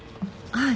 はい。